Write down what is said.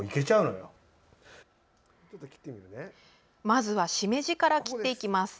まずは、しめじから切っていきます。